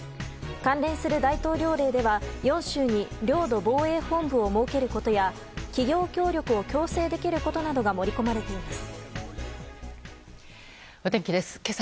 関連する大統領令では４州に領土防衛本部を設けることや企業協力を強制できることなどが盛り込まれています。